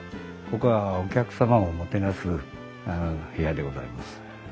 ここはお客様をもてなす部屋でございます。